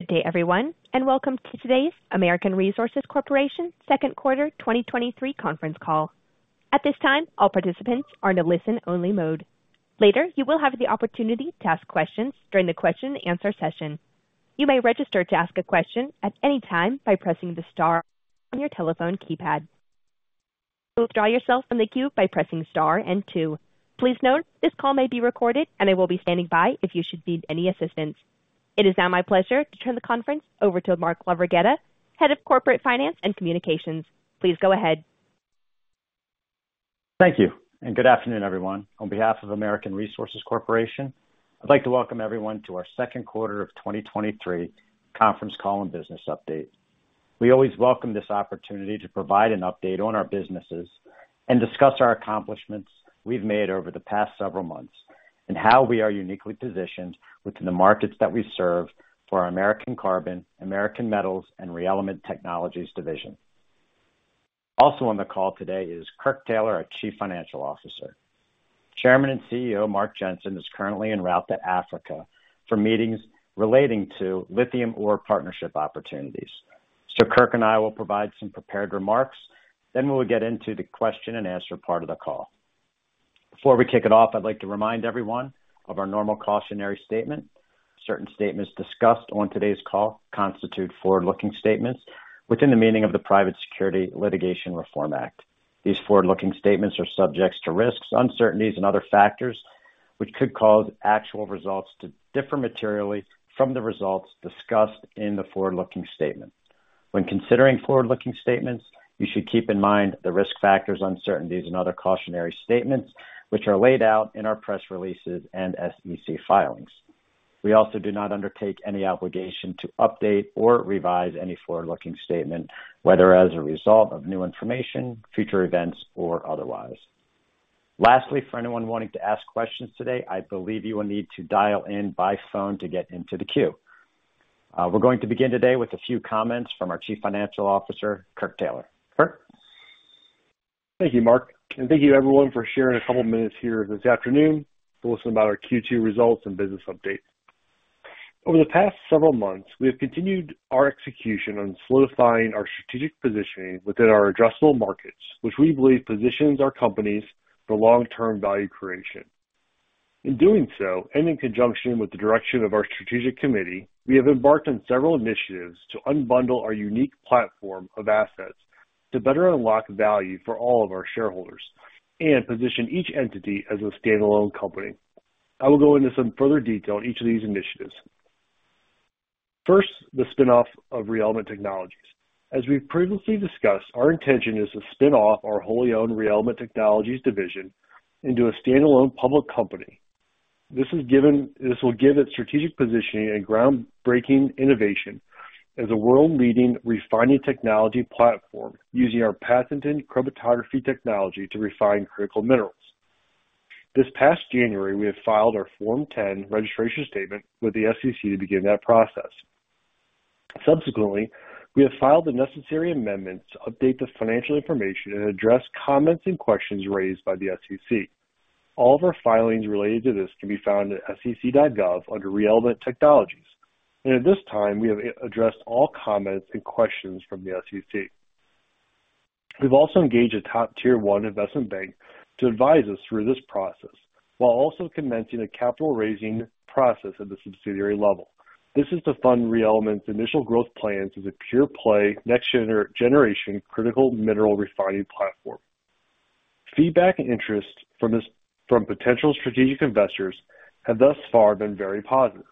Good day, everyone, and welcome to today's American Resources Corporation Second Quarter 2023 conference call. At this time, all participants are in a listen-only mode. Later, you will have the opportunity to ask questions during the question and answer session. You may register to ask a question at any time by pressing the star on your telephone keypad. You may withdraw yourself from the queue by pressing star and two. Please note, this call may be recorded, and I will be standing by if you should need any assistance. It is now my pleasure to turn the conference over to Mark LaVerghetta, Head of Corporate Finance and Communications. Please go ahead. Thank you. Good afternoon, everyone. On behalf of American Resources Corporation, I'd like to welcome everyone to our second quarter of 2023 conference call and business update. We always welcome this opportunity to provide an update on our businesses and discuss our accomplishments we've made over the past several months, and how we are uniquely positioned within the markets that we serve for our American Carbon, American Metals, and ReElement Technologies division. Also on the call today is Kirk Taylor, our Chief Financial Officer. Chairman and CEO, Mark Jensen, is currently en route to Africa for meetings relating to lithium ore partnership opportunities. Kirk and I will provide some prepared remarks, then we'll get into the question and answer part of the call. Before we kick it off, I'd like to remind everyone of our normal cautionary statement. Certain statements discussed on today's call constitute forward-looking statements within the meaning of the Private Securities Litigation Reform Act. These forward-looking statements are subjects to risks, uncertainties, and other factors, which could cause actual results to differ materially from the results discussed in the forward-looking statement. When considering forward-looking statements, you should keep in mind the risk factors, uncertainties, and other cautionary statements, which are laid out in our press releases and SEC filings. We do not undertake any obligation to update or revise any forward-looking statement, whether as a result of new information, future events, or otherwise. Lastly, for anyone wanting to ask questions today, I believe you will need to dial in by phone to get into the queue. We're going to begin today with a few comments from our Chief Financial Officer, Kirk Taylor. Kirk? Thank you, Mark, and thank you everyone for sharing a couple minutes here this afternoon to listen about our Q2 results and business update. Over the past several months, we have continued our execution on solidifying our strategic positioning within our adjustable markets, which we believe positions our companies for long-term value creation. In doing so, and in conjunction with the direction of our Strategic Committee, we have embarked on several initiatives to unbundle our unique platform of assets to better unlock value for all of our shareholders and position each entity as a standalone company. I will go into some further detail on each of these initiatives. First, the spin-off of ReElement Technologies. As we've previously discussed, our intention is to spin off our wholly owned ReElement Technologies division into a standalone public company. This will give it strategic positioning and groundbreaking innovation as a world-leading refining technology platform, using our patented chromatography technology to refine critical minerals. This past January, we have filed our Form 10 registration statement with the SEC to begin that process. Subsequently, we have filed the necessary amendments to update the financial information and address comments and questions raised by the SEC. All of our filings related to this can be found at sec.gov under ReElement Technologies, and at this time, we have addressed all comments and questions from the SEC. We've also engaged a top Tier 1 investment bank to advise us through this process, while also commencing a capital raising process at the subsidiary level. This is to fund ReElement's initial growth plans as a pure-play, next generation, critical mineral refining platform. Feedback and interest from this, from potential strategic investors have thus far been very positive.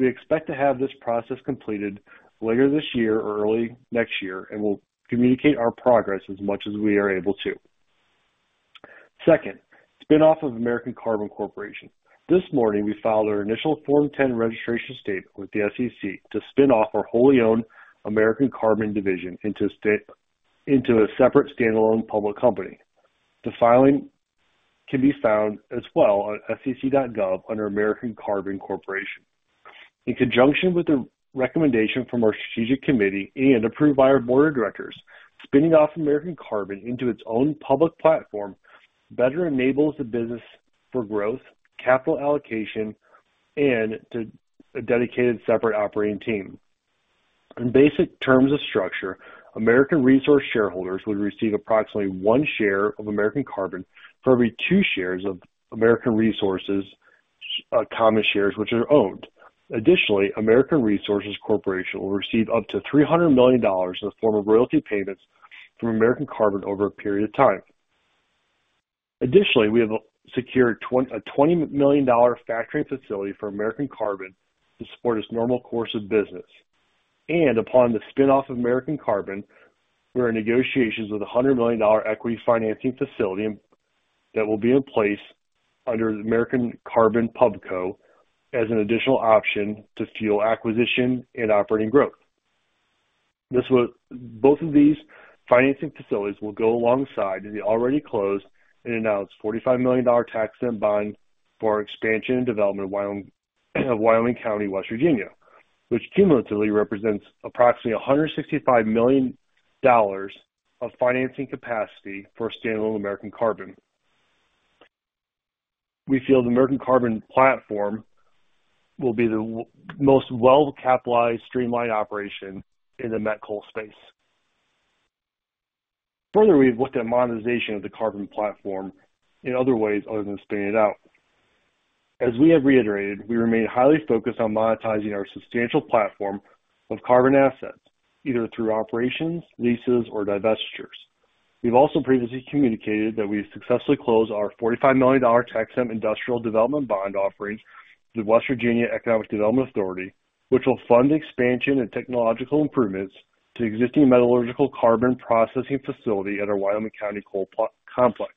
We expect to have this process completed later this year or early next year, we'll communicate our progress as much as we are able to. Second, spin-off of American Carbon Corporation. This morning, we filed our initial Form 10 registration statement with the SEC to spin off our wholly owned American Carbon Division into a separate, standalone public company. The filing can be found as well on sec.gov under American Carbon Corporation. In conjunction with the recommendation from our Strategic Committee and approved by our board of directors, spinning off American Carbon into its own public platform better enables the business for growth, capital allocation, and to a dedicated, separate operating team. In basic terms of structure, American Resources shareholders would receive approximately one share of American Carbon for every two shares of American Resources common shares, which are owned. Additionally, American Resources Corporation will receive up to $300 million in the form of royalty payments from American Carbon over a period of time. Additionally, we have secured a $20 million factoring facility for American Carbon to support its normal course of business, and upon the spin-off of American Carbon, we are in negotiations with a $100 million equity financing facility that will be in place under the American Carbon Pub Co as an additional option to fuel acquisition and operating growth. This will... Both of these financing facilities will go alongside the already closed and announced $45 million tax-exempt bond for expansion and development of Wyoming County, West Virginia, which cumulatively represents approximately $165 million of financing capacity for a standalone American Carbon. We feel the American Carbon platform will be the most well-capitalized, streamlined operation in the met coal space. Further, we've looked at monetization of the carbon platform in other ways other than spinning it out. As we have reiterated, we remain highly focused on monetizing our substantial platform of carbon assets, either through operations, leases, or divestitures. We've also previously communicated that we successfully closed our $45 million tax-exempt industrial development bond offerings through West Virginia Economic Development Authority, which will fund the expansion and technological improvements to existing metallurgical carbon processing facility at our Wyoming County Coal Complex.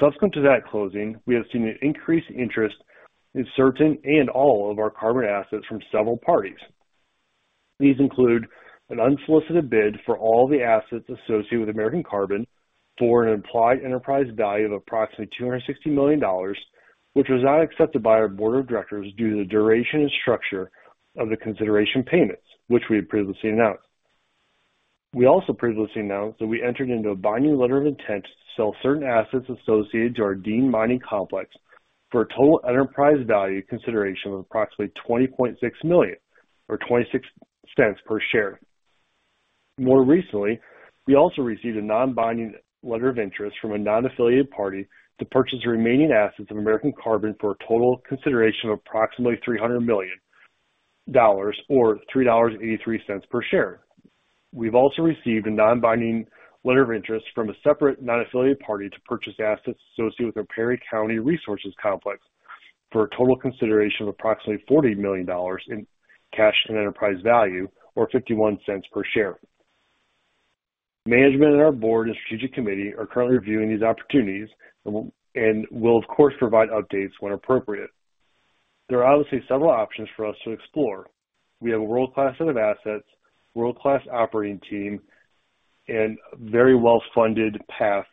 Come to that closing, we have seen an increased interest in certain and all of our carbon assets from several parties. These include an unsolicited bid for all the assets associated with American Carbon for an implied enterprise value of approximately $260 million, which was not accepted by our board of directors due to the duration and structure of the consideration payments, which we had previously announced. We also previously announced that we entered into a binding letter of intent to sell certain assets associated to our Deane Mining Complex for a total enterprise value consideration of approximately $20.6 million or $0.26 per share. More recently, we also received a non-binding letter of interest from a non-affiliated party to purchase the remaining assets of American Carbon for a total consideration of approximately $300 million or $3.83 per share. We've also received a non-binding letter of interest from a separate non-affiliated party to purchase assets associated with our Perry County Resources Complex, for a total consideration of approximately $40 million in cash and enterprise value, or $0.51 per share. Management and our board and Strategic Committee are currently reviewing these opportunities and will, and will, of course, provide updates when appropriate. There are obviously several options for us to explore. We have a world-class set of assets, world-class operating team, and very well-funded path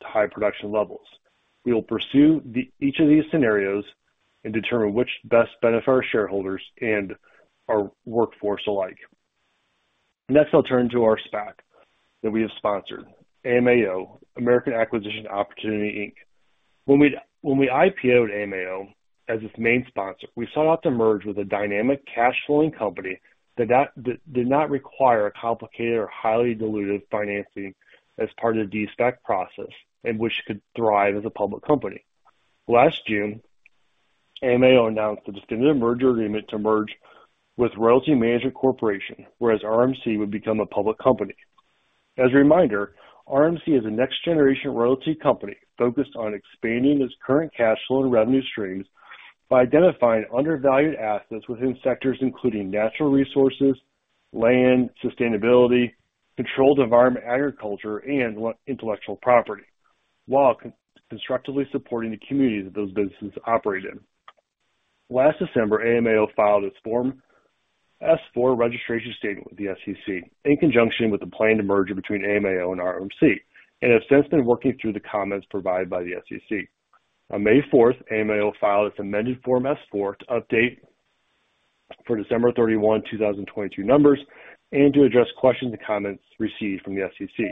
to high production levels. We will pursue each of these scenarios and determine which best benefit our shareholders and our workforce alike. Next, I'll turn to our SPAC that we have sponsored, AMAO, American Acquisition Opportunity, Inc. When we IPO'd AMAO as its main sponsor, we sought out to merge with a dynamic cash flowing company that did not require a complicated or highly dilutive financing as part of the de-SPAC process, and which could thrive as a public company. Last June, AMAO announced the definitive merger agreement to merge with Royalty Management Corporation, whereas RMC would become a public company. As a reminder, RMC is a next-generation royalty company focused on expanding its current cash flow and revenue streams by identifying undervalued assets within sectors including natural resources, land, sustainability, controlled environment, agriculture, and intellectual property, while constructively supporting the communities that those businesses operate in. Last December, AMAO filed its Form S-4 registration statement with the SEC, in conjunction with the planned merger between AMAO and RMC, and has since been working through the comments provided by the SEC. On May 4, AMAO filed its amended Form S-4 to update for December 31, 2022 numbers, and to address questions and comments received from the SEC.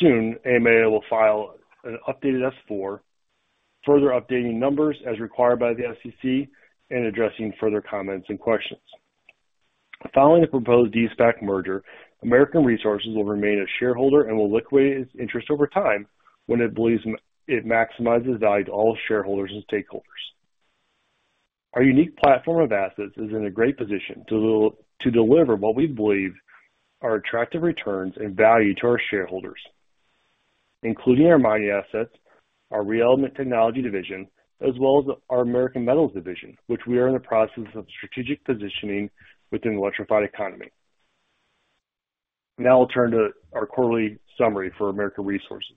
Soon, AMAO will file an updated S-4, further updating numbers as required by the SEC and addressing further comments and questions. Following the proposed De-SPAC merger, American Resources will remain a shareholder and will liquidate its interest over time when it believes it maximizes value to all shareholders and stakeholders. Our unique platform of assets is in a great position to deliver what we believe are attractive returns and value to our shareholders, including our mining assets, our ReElement Technologies division, as well as our American Metals division, which we are in the process of strategic positioning within the electrified economy. Now I'll turn to our quarterly summary for American Resources.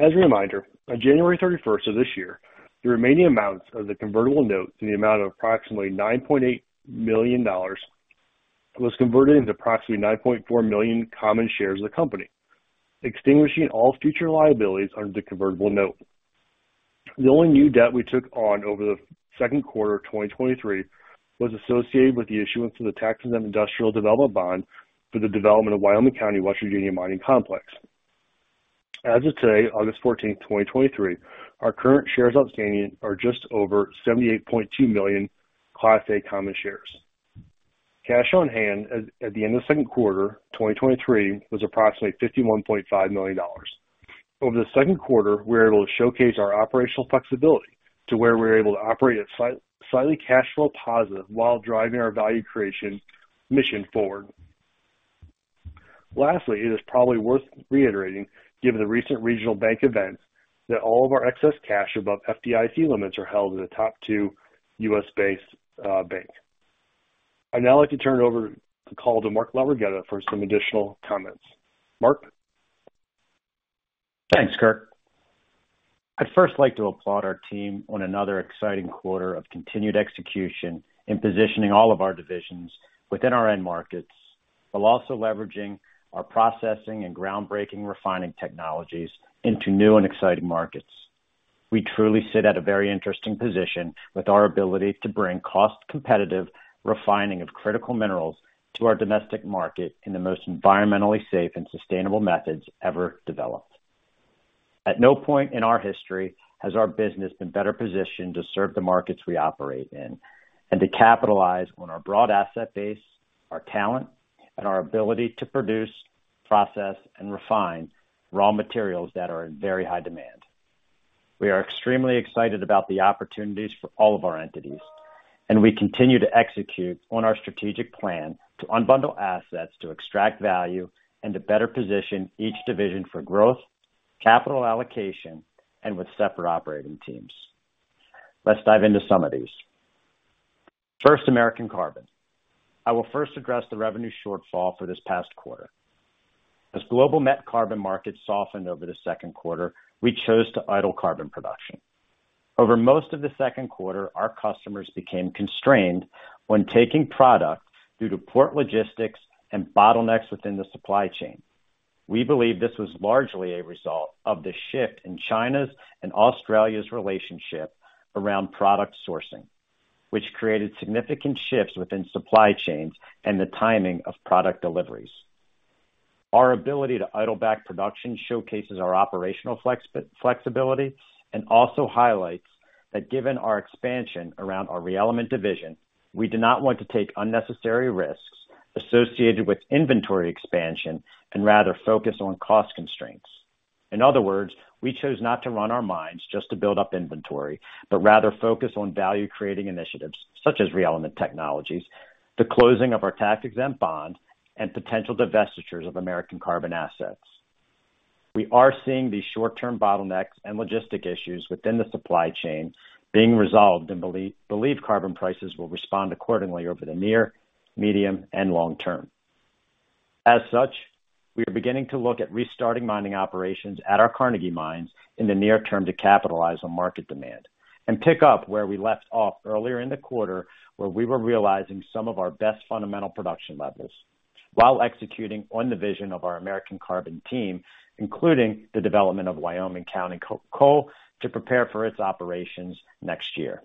As a reminder, on January 31st of this year, the remaining amounts of the convertible notes in the amount of approximately $9.8 million was converted into approximately 9.4 million common shares of the company, extinguishing all future liabilities under the convertible note. The only new debt we took on over the second quarter of 2023 was associated with the issuance of the tax-exempt industrial development bond for the development of Wyoming County, West Virginia Mining Complex. As of today, August 14, 2023, our current shares outstanding are just over 78.2 million Class A common shares. Cash on hand at the end of the second quarter, 2023, was approximately $51.5 million. Over the second quarter, we were able to showcase our operational flexibility to where we were able to operate at slightly cash flow positive while driving our value creation mission forward. Lastly, it is probably worth reiterating, given the recent regional bank events, that all of our excess cash above FDIC limits are held in the top two US-based banks. I'd now like to turn it over the call to Mark LaVerghetta for some additional comments. Mark? Thanks, Kirk. I'd first like to applaud our team on another exciting quarter of continued execution in positioning all of our divisions within our end markets, while also leveraging our processing and groundbreaking refining technologies into new and exciting markets. We truly sit at a very interesting position with our ability to bring cost-competitive refining of critical minerals to our domestic market in the most environmentally safe and sustainable methods ever developed. At no point in our history has our business been better positioned to serve the markets we operate in and to capitalize on our broad asset base, our talent, and our ability to produce, process, and refine raw materials that are in very high demand. We are extremely excited about the opportunities for all of our entities, and we continue to execute on our strategic plan to unbundle assets, to extract value, and to better position each division for growth, capital allocation, and with separate operating teams. Let's dive into some of these. First, American Carbon. I will first address the revenue shortfall for this past quarter. As global net carbon markets softened over the second quarter, we chose to idle carbon production. Over most of the second quarter, our customers became constrained when taking product due to port logistics and bottlenecks within the supply chain. We believe this was largely a result of the shift in China's and Australia's relationship around product sourcing, which created significant shifts within supply chains and the timing of product deliveries. Our ability to idle back production showcases our operational flexibility, also highlights that given our expansion around our ReElement division, we did not want to take unnecessary risks associated with inventory expansion, rather focus on cost constraints. In other words, we chose not to run our mines just to build up inventory, but rather focus on value-creating initiatives such as ReElement Technologies, the closing of our tax-exempt bond, and potential divestitures of American Carbon assets. We are seeing these short-term bottlenecks and logistic issues within the supply chain being resolved, believe carbon prices will respond accordingly over the near, medium, and long term. As such, we are beginning to look at restarting mining operations at our Carnegie mines in the near term to capitalize on market demand and pick up where we left off earlier in the quarter, where we were realizing some of our best fundamental production levels while executing on the vision of our American Carbon team, including the development of Wyoming County Coal, to prepare for its operations next year.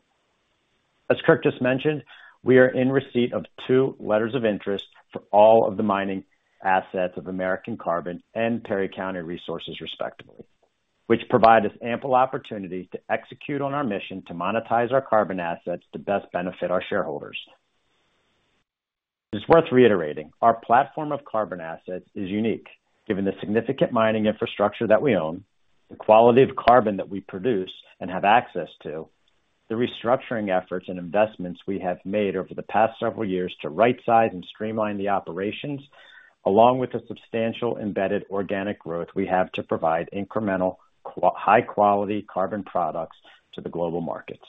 As Kirk just mentioned, we are in receipt of two letters of interest for all of the mining assets of American Carbon and Perry County Resources, respectively, which provide us ample opportunity to execute on our mission to monetize our carbon assets to best benefit our shareholders. It's worth reiterating, our platform of carbon assets is unique given the significant mining infrastructure that we own, the quality of carbon that we produce and have access to, the restructuring efforts and investments we have made over the past several years to rightsize and streamline the operations, along with the substantial embedded organic growth we have to provide incremental high-quality carbon products to the global markets.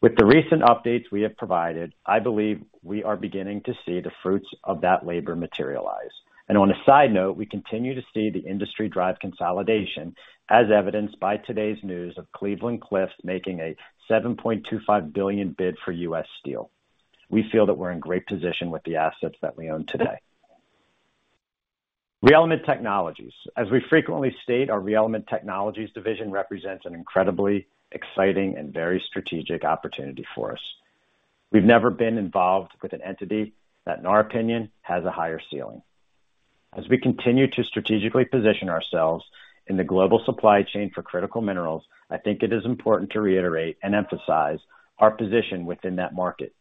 With the recent updates we have provided, I believe we are beginning to see the fruits of that labor materialize. On a side note, we continue to see the industry drive consolidation, as evidenced by today's news of Cleveland-Cliffs making a $7.25 billion bid for US Steel. We feel that we're in great position with the assets that we own today. ReElement Technologies. As we frequently state, our ReElement Technologies division represents an incredibly exciting and very strategic opportunity for us. We've never been involved with an entity that, in our opinion, has a higher ceiling. As we continue to strategically position ourselves in the global supply chain for critical minerals, I think it is important to reiterate and emphasize our position within that market.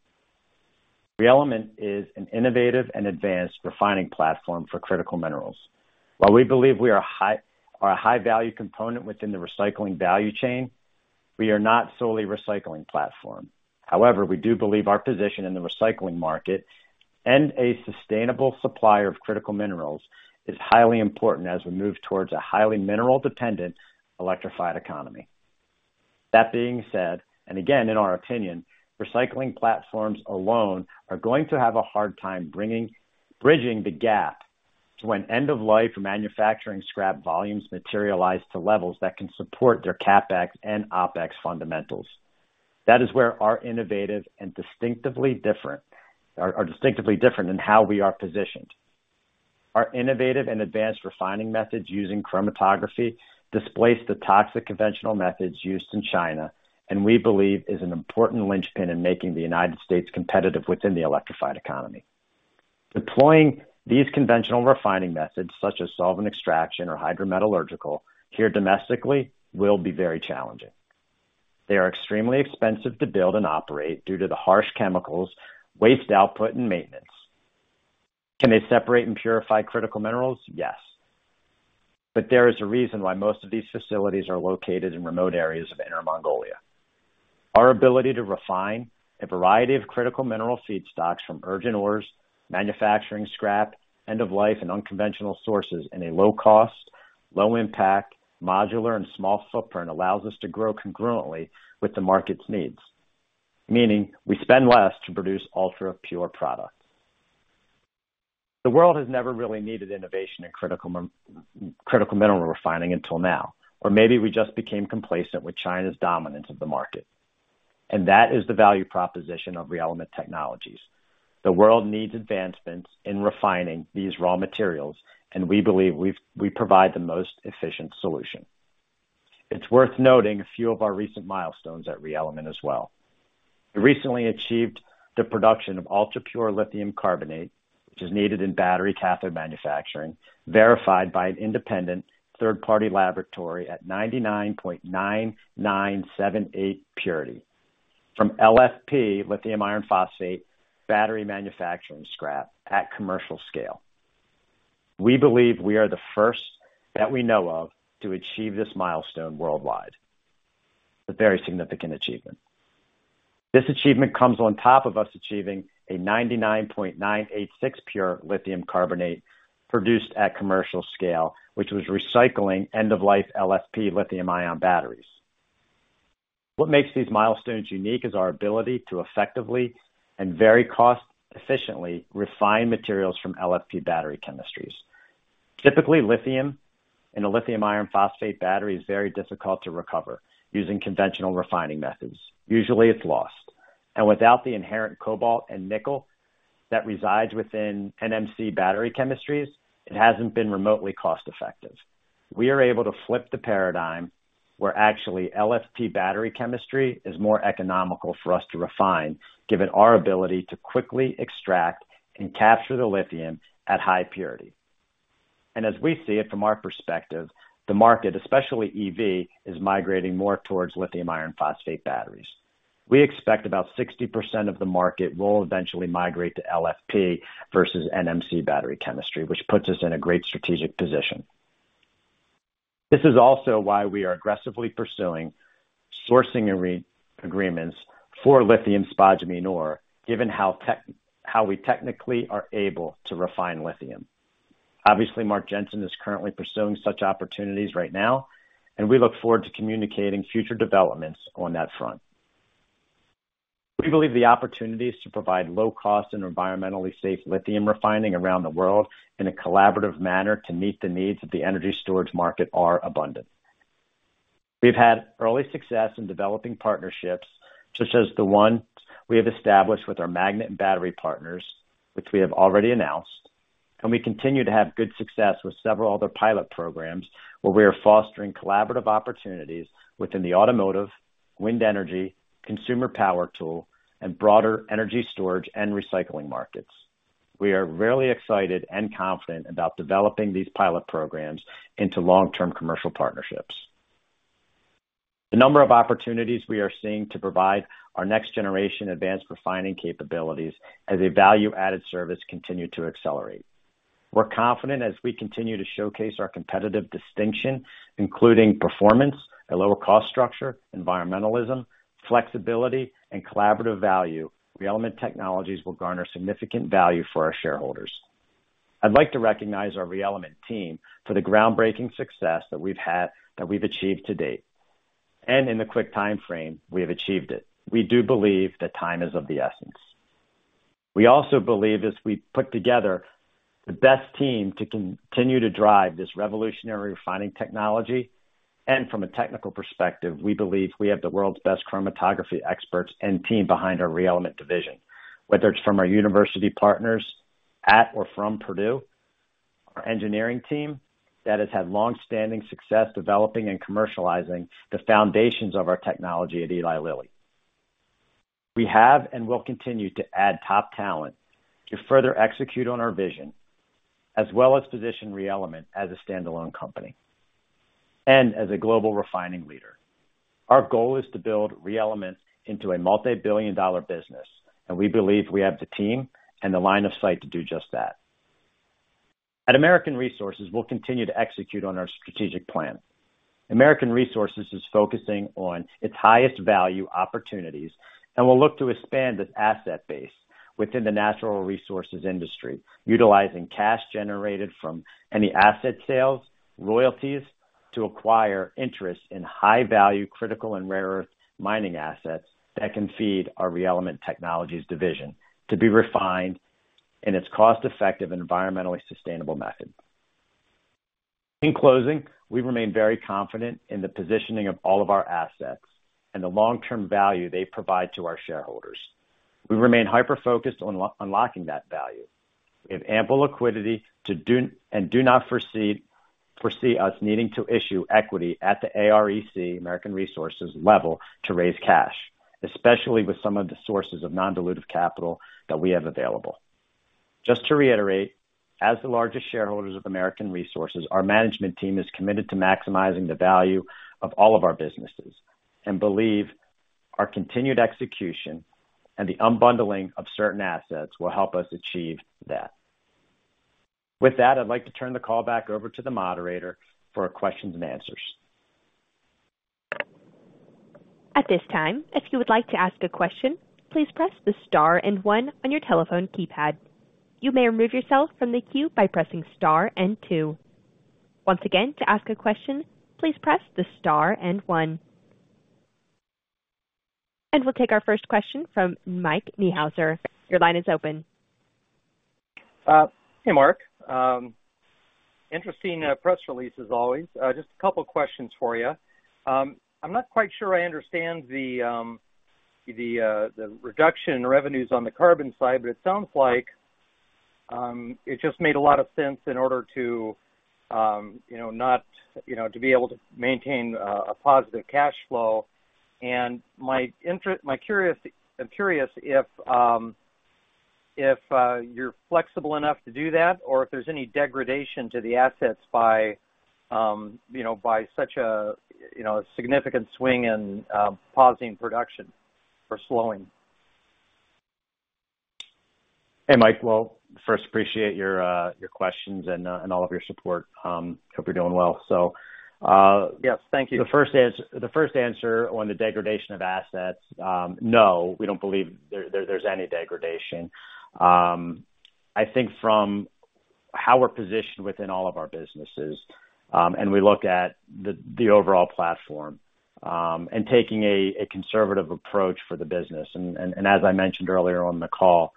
ReElement is an innovative and advanced refining platform for critical minerals. While we believe we are a high-value component within the recycling value chain, we are not solely recycling platform. However, we do believe our position in the recycling market and a sustainable supplier of critical minerals is highly important as we move towards a highly mineral-dependent, electrified economy. That being said, again, in our opinion, recycling platforms alone are going to have a hard time bridging the gap to when end-of-life manufacturing scrap volumes materialize to levels that can support their CapEx and OpEx fundamentals. That is where our innovative and distinctively different in how we are positioned. Our innovative and advanced refining methods using chromatography displace the toxic conventional methods used in China, we believe is an important linchpin in making the United States competitive within the electrified economy. Deploying these conventional refining methods, such as solvent extraction or hydrometallurgical, here domestically, will be very challenging. They are extremely expensive to build and operate due to the harsh chemicals, waste output, and maintenance. Can they separate and purify critical minerals? Yes, there is a reason why most of these facilities are located in remote areas of Inner Mongolia. Our ability to refine a variety of critical mineral feedstocks from virgin ores, manufacturing scrap, end-of-life, and unconventional sources in a low cost, low impact, modular, and small footprint allows us to grow congruently with the market's needs, meaning we spend less to produce ultra-pure products. The world has never really needed innovation in critical mineral refining until now. Maybe we just became complacent with China's dominance of the market. That is the value proposition of ReElement Technologies. The world needs advancements in refining these raw materials, we believe we've, we provide the most efficient solution. It's worth noting a few of our recent milestones at ReElement as well. We recently achieved the production of ultra-pure lithium carbonate, which is needed in battery cathode manufacturing, verified by an independent third-party laboratory at 99.9978% purity, from LFP, lithium iron phosphate, battery manufacturing scrap at commercial scale. We believe we are the first, that we know of, to achieve this milestone worldwide. A very significant achievement. This achievement comes on top of us achieving a 99.986% pure lithium carbonate produced at commercial scale, which was recycling end-of-life LFP lithium-ion batteries. What makes these milestones unique is our ability to effectively and very cost-efficiently refine materials from LFP battery chemistries. Typically, lithium in a lithium iron phosphate battery is very difficult to recover using conventional refining methods. Usually, it's lost. Without the inherent cobalt and nickel that resides within NMC battery chemistries, it hasn't been remotely cost-effective. We are able to flip the paradigm where actually LFP battery chemistry is more economical for us to refine, given our ability to quickly extract and capture the lithium at high purity. As we see it from our perspective, the market, especially EV, is migrating more towards lithium iron phosphate batteries. We expect about 60% of the market will eventually migrate to LFP versus NMC battery chemistry, which puts us in a great strategic position. This is also why we are aggressively pursuing sourcing agreements for lithium spodumene ore, given how we technically are able to refine lithium. Obviously, Mark Jensen is currently pursuing such opportunities right now, and we look forward to communicating future developments on that front. We believe the opportunities to provide low cost and environmentally safe lithium refining around the world in a collaborative manner to meet the needs of the energy storage market are abundant. We've had early success in developing partnerships, such as the one we have established with our magnet and battery partners, which we have already announced, and we continue to have good success with several other pilot programs, where we are fostering collaborative opportunities within the automotive, wind energy, consumer power tool, and broader energy storage and recycling markets. We are really excited and confident about developing these pilot programs into long-term commercial partnerships. The number of opportunities we are seeing to provide our next-generation advanced refining capabilities as a value-added service continue to accelerate. We're confident as we continue to showcase our competitive distinction, including performance, a lower cost structure, environmentalism, flexibility, and collaborative value, ReElement Technologies will garner significant value for our shareholders. I'd like to recognize our ReElement team for the groundbreaking success that we've had, that we've achieved to date, and in the quick time frame we have achieved it. We do believe that time is of the essence. We also believe, as we put together the best team to continue to drive this revolutionary refining technology, and from a technical perspective, we believe we have the world's best chromatography experts and team behind our ReElement division, whether it's from our university partners at or from Purdue, our engineering team that has had longstanding success developing and commercializing the foundations of our technology at Eli Lilly. We have and will continue to add top talent to further execute on our vision, as well as position ReElement as a standalone company and as a global refining leader. Our goal is to build ReElement into a multi-billion dollar business, and we believe we have the team and the line of sight to do just that. At American Resources, we'll continue to execute on our strategic plan. American Resources is focusing on its highest value opportunities and will look to expand its asset base within the natural resources industry, utilizing cash generated from any asset sales, royalties, to acquire interest in high-value critical and rare earth mining assets that can feed our ReElement Technologies division to be refined in its cost-effective and environmentally sustainable method. In closing, we remain very confident in the positioning of all of our assets and the long-term value they provide to our shareholders. We remain hyper-focused on unlocking that value. We have ample liquidity to do, and do not foresee us needing to issue equity at the AREC, American Resources, level to raise cash, especially with some of the sources of non-dilutive capital that we have available. Just to reiterate, as the largest shareholders of American Resources, our management team is committed to maximizing the value of all of our businesses and believe our continued execution and the unbundling of certain assets will help us achieve that. With that, I'd like to turn the call back over to the moderator for questions and answers. At this time, if you would like to ask a question, please press the star and one on your telephone keypad. You may remove yourself from the queue by pressing star and two. Once again, to ask a question, please press the star and one. We'll take our first question from Mike Niehuser. Your line is open. Hey, Mark. Interesting press release as always. Just a couple questions for you. I'm not quite sure I understand the reduction in revenues on the carbon side, but it sounds like it just made a lot of sense in order to, you know, not, you know, to be able to maintain a positive cash flow. I'm curious if you're flexible enough to do that, or if there's any degradation to the assets by, you know, by such a, you know, a significant swing in pausing production or slowing? Hey, Mike. Well, first, appreciate your questions and all of your support. Hope you're doing well. Yes, thank you. The first the first answer on the degradation of assets, no, we don't believe there, there's any degradation. I think from how we're positioned within all of our businesses, and we look at the, the overall platform, and taking a, a conservative approach for the business. As I mentioned earlier on the call,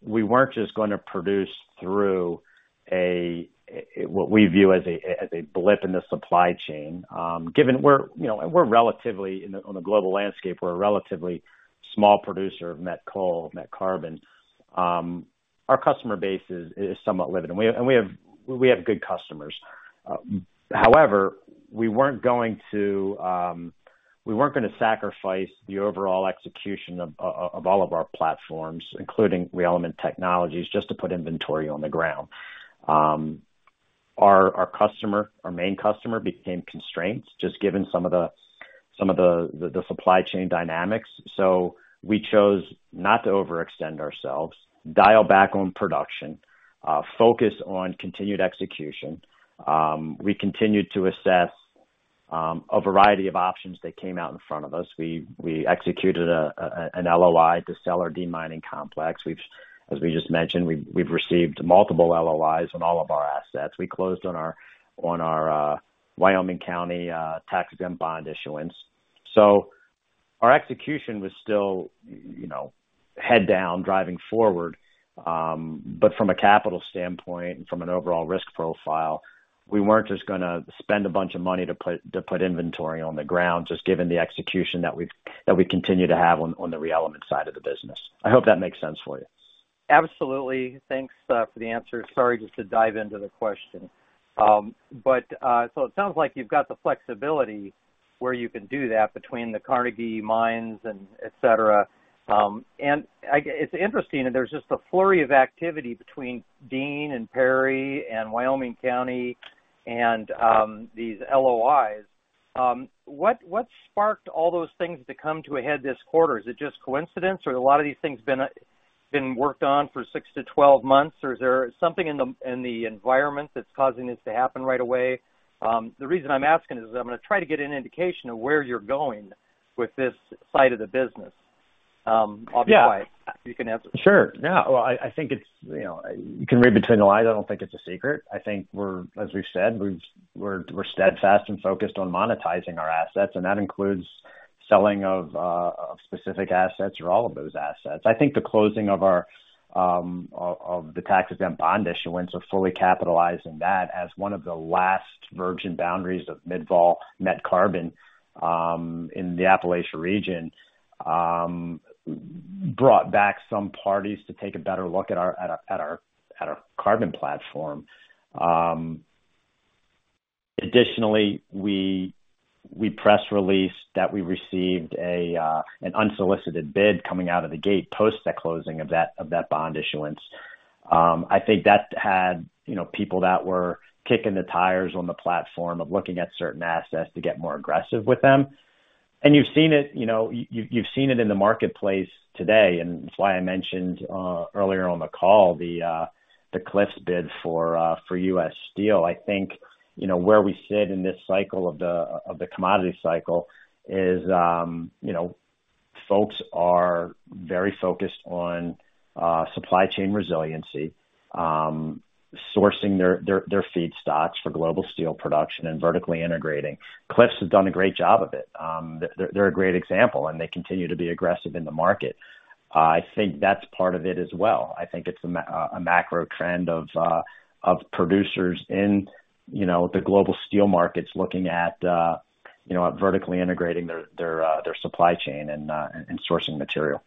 we weren't just gonna produce through a, what we view as a, as a blip in the supply chain. Given we're, you know, we're relatively, on a global landscape, we're a relatively small producer of met coal, met carbon. Our customer base is, is somewhat limited, and we have good customers. However, we weren't going to, we weren't gonna sacrifice the overall execution of, of, of all of our platforms, including ReElement Technologies, just to put inventory on the ground. Our, our customer, our main customer, became constrained, just given some of the, some of the, the supply chain dynamics. We chose not to overextend ourselves, dial back on production, focus on continued execution. We continued to assess a variety of options that came out in front of us. We, we executed a, a, an LOI to sell our Deane Mining Complex, which, as we just mentioned, we've, we've received multiple LOIs on all of our assets. We closed on our, on our Wyoming County tax-exempt bond issuance. Our execution was still, you know, head down, driving forward. From a capital standpoint, and from an overall risk profile, we weren't just gonna spend a bunch of money to put, to put inventory on the ground, just given the execution that we continue to have on, on the ReElement side of the business. I hope that makes sense for you. Absolutely. Thanks for the answer. Sorry, just to dive into the question. It sounds like you've got the flexibility where you can do that between the Carnegie mines and et cetera. It's interesting, and there's just a flurry of activity between Deane and Perry and Wyoming County and these LOIs. What, what sparked all those things to come to a head this quarter? Is it just coincidence or a lot of these things been worked on for 6 to 12 months, or is there something in the, in the environment that's causing this to happen right away? The reason I'm asking is I'm gonna try to get an indication of where you're going with this side of the business. I'll be quiet. Yeah. You can answer. Sure. No, I, I think it's, you know, you can read between the lines. I don't think it's a secret. I think we're as we've said, we're steadfast and focused on monetizing our assets, and that includes selling of specific assets or all of those assets. I think the closing of our of the tax-exempt bond issuance or fully capitalizing that as one of the last virgin boundaries of mid-vol met coal in the Appalachia region brought back some parties to take a better look at our carbon platform. Additionally, we, we press released that we received an unsolicited bid coming out of the gate post the closing of that bond issuance. I think that had, you know, people that were kicking the tires on the platform of looking at certain assets to get more aggressive with them. You've seen it, you know, you, you've seen it in the marketplace today, and that's why I mentioned earlier on the call, the Cliffs bid for US Steel. I think, you know, where we sit in this cycle of the, of the commodity cycle is, you know, folks are very focused on supply chain resiliency, sourcing their, their, their feedstocks for global steel production and vertically integrating. Cliffs has done a great job of it. They're, they're a great example, and they continue to be aggressive in the market. I think that's part of it as well. I think it's a macro trend of producers in, you know, the global steel markets looking at, you know, at vertically integrating their, their supply chain and sourcing material.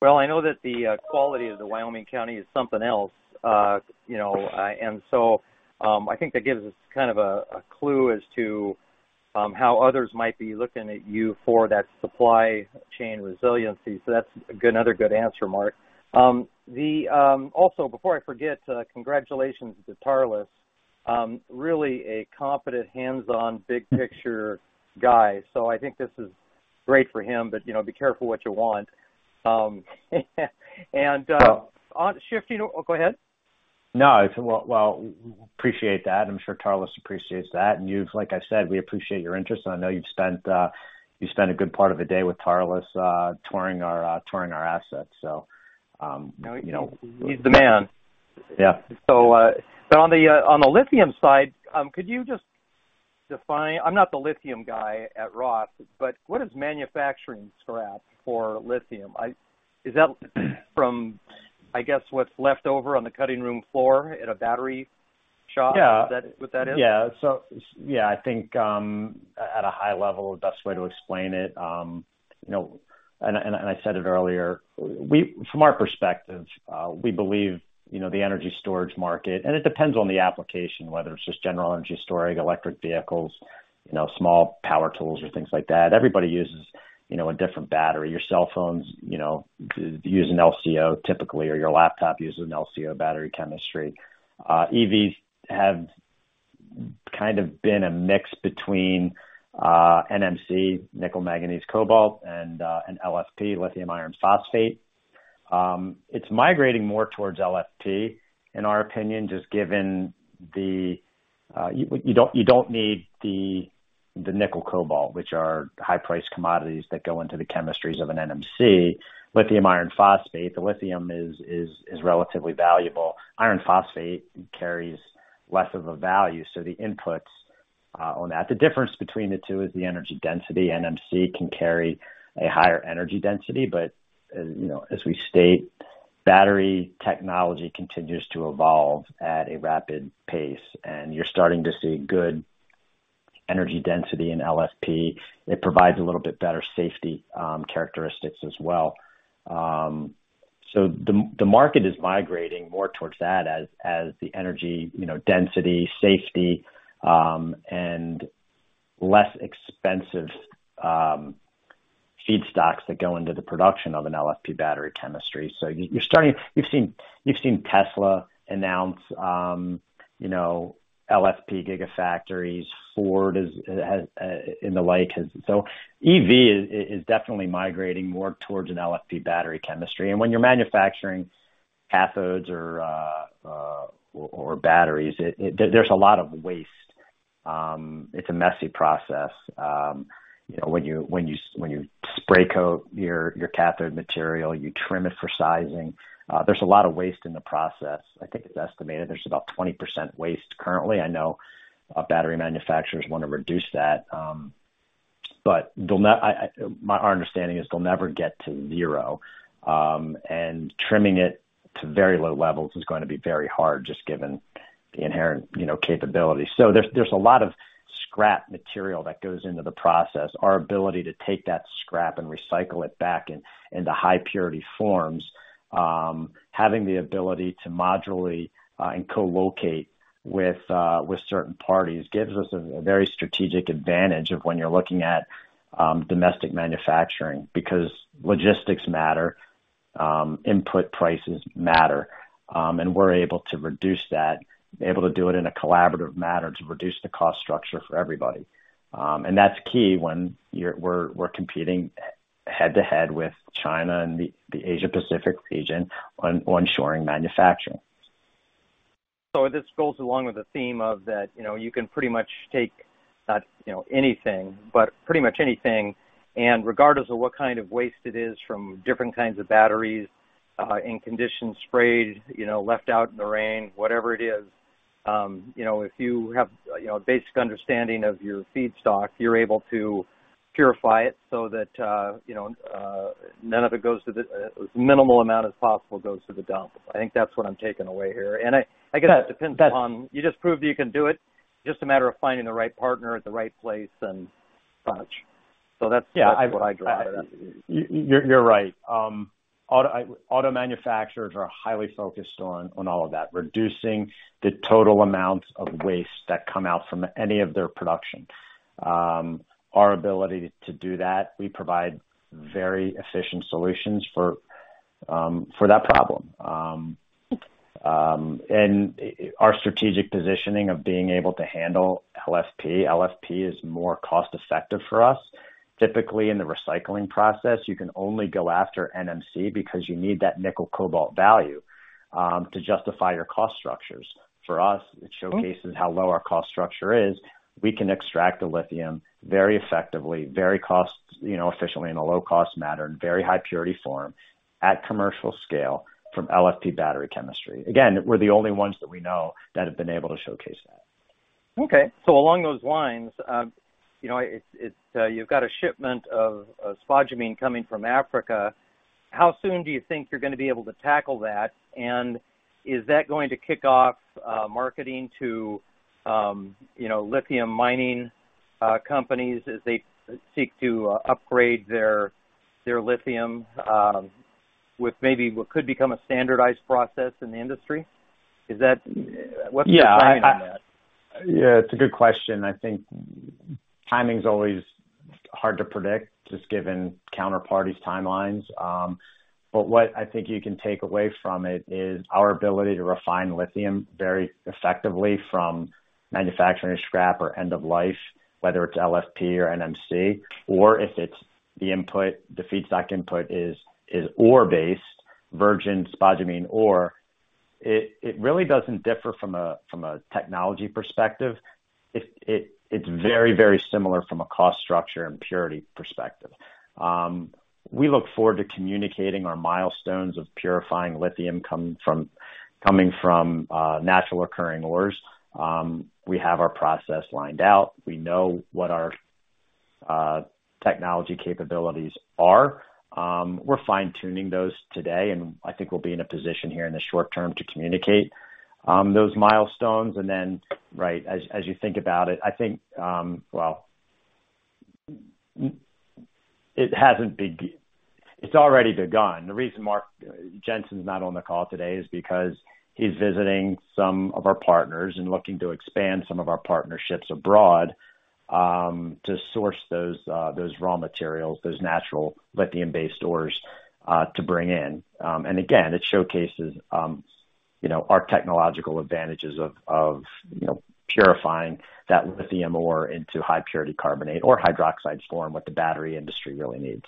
Well, I know that the quality of the Wyoming County is something else. You know, I think that gives us kind of a clue as to how others might be looking at you for that supply chain resiliency. That's another good answer, Mark. The also, before I forget, congratulations to Tarlas, really a competent, hands-on, big-picture guy. I think this is great for him, but, you know, be careful what you want. Oh, go ahead. Well, well, appreciate that. I'm sure Tarlas appreciates that. Like I said, we appreciate your interest. I know you've spent, you spent a good part of the day with Tarlas, touring our, touring our assets, so, you know. He's the man. Yeah. On the, on the lithium side, could you just define, I'm not the lithium guy at Roth, but what is manufacturing scrap for lithium? Is that from, I guess, what's left over on the cutting room floor at a battery shop? Yeah. Is that what that is? Yeah. So, yeah, I think, at a high level, the best way to explain it, you know, and I said it earlier, we from our perspective, we believe, you know, the energy storage market, and it depends on the application, whether it's just general energy storage, electric vehicles, you know, small power tools or things like that. Everybody uses, you know, a different battery. Your cell phones, you know, use an LCO typically, or your laptop uses an LCO battery chemistry. EVs have kind of been a mix between NMC, nickel, manganese, cobalt, and an LFP, lithium iron phosphate. It's migrating more towards LFP, in our opinion, just given the... You don't need the nickel cobalt, which are high-priced commodities that go into the chemistries of an NMC. Lithium iron phosphate, the lithium is, is, is relatively valuable. Iron phosphate carries less of a value, the inputs on that. The difference between the two is the energy density. NMC can carry a higher energy density, as, you know, as we state, battery technology continues to evolve at a rapid pace, you're starting to see good energy density in LFP. It provides a little bit better safety characteristics as well. The, the market is migrating more towards that as, as the energy, you know, density, safety, and less expensive feedstocks that go into the production of an LFP battery chemistry. You've seen, you've seen Tesla announce, you know, LFP gigafactories. Ford and the like, EV is, is definitely migrating more towards an LFP battery chemistry. When you're manufacturing cathodes or batteries, there's a lot of waste. It's a messy process. You know, when you spray coat your cathode material, you trim it for sizing. There's a lot of waste in the process. I think it's estimated there's about 20% waste currently. I know battery manufacturers want to reduce that, but our understanding is they'll never get to zero. Trimming it to very low levels is going to be very hard, just given the inherent, you know, capability. There's a lot of scrap material that goes into the process. Our ability to take that scrap and recycle it back into, into high purity forms, having the ability to modularly, and co-locate with certain parties, gives us a very strategic advantage of when you're looking at domestic manufacturing, because logistics matter, input prices matter, and we're able to reduce that, able to do it in a collaborative manner to reduce the cost structure for everybody. And that's key when we're competing head-to-head with China and the Asia Pacific region on onshoring manufacturing. This goes along with the theme of that, you know, you can pretty much take, not, you know, anything, but pretty much anything, and regardless of what kind of waste it is from different kinds of batteries, in conditions sprayed, you know, left out in the rain, whatever it is, you know, if you have, you know, a basic understanding of your feedstock, you're able to purify it so that, you know, none of it goes to the... minimal amount as possible goes to the dump. I think that's what I'm taking away here. I, I guess it depends on- That- You just proved you can do it. Just a matter of finding the right partner at the right place and such. That's. Yeah. That's what I got out of that. You're, you're right. Auto, auto manufacturers are highly focused on, on all of that, reducing the total amount of waste that come out from any of their production. Our ability to do that, we provide very efficient solutions for, for that problem. Our strategic positioning of being able to handle LFP. LFP is more cost-effective for us. Typically, in the recycling process, you can only go after NMC because you need that nickel cobalt value to justify your cost structures. For us, it showcases how low our cost structure is. We can extract the lithium very effectively, very cost, you know, efficiently in a low-cost manner, in very high purity form, at commercial scale from LFP battery chemistry. Again, we're the only ones that we know that have been able to showcase that. Okay. Along those lines, you know, it's, it's, you've got a shipment of, of spodumene coming from Africa. How soon do you think you're going to be able to tackle that? Is that going to kick off, marketing to, you know, lithium mining companies as they seek to upgrade their, their lithium, with maybe what could become a standardized process in the industry? Is that- Yeah. What's the timing on that? Yeah, it's a good question. I think timing's always hard to predict, just given counterparties' timelines. But what I think you can take away from it is our ability to refine lithium very effectively from manufacturing scrap or end of life, whether it's LFP or NMC, or if it's the input, the feedstock input is, is ore-based, virgin spodumene ore. It, it really doesn't differ from a, from a technology perspective. It, it, it's very, very similar from a cost structure and purity perspective. We look forward to communicating our milestones of purifying lithium coming from natural occurring ores. We have our process lined out. We know what our technology capabilities are. We're fine-tuning those today, and I think we'll be in a position here in the short term to communicate those milestones. Right, as, as you think about it, I think, well, it's already begun. The reason Mark Jensen is not on the call today is because he's visiting some of our partners and looking to expand some of our partnerships abroad to source those raw materials, those natural lithium-based ores to bring in. Again, it showcases, you know, our technological advantages of, of, you know, purifying that lithium ore into high purity carbonate or hydroxide form, what the battery industry really needs.